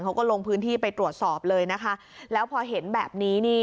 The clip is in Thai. เขาก็ลงพื้นที่ไปตรวจสอบเลยนะคะแล้วพอเห็นแบบนี้นี่